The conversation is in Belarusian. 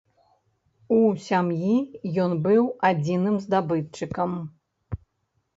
У сям'і ён быў адзіным здабытчыкам.